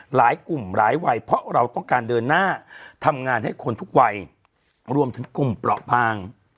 หลายกลุ่มหลายวัยเพราะเราต้องการเดินหน้าทำงานให้คนทุกวัยรวมถึงกลุ่มเปราะบาง